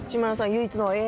唯一のＡ。